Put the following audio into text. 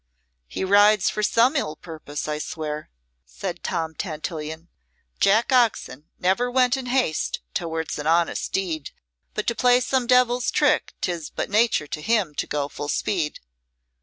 "He rides for some ill purpose, I swear," said Tom Tantillion. "Jack Oxon never went in haste towards an honest deed; but to play some devil's trick 'tis but nature to him to go full speed."